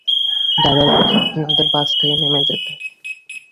Driver বলছে আপনাদের bus থেকে নেমে যেতে।